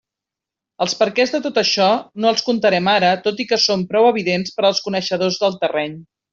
Els perquès de tot això no els contarem ara, tot i que són prou evidents per als coneixedors del terreny.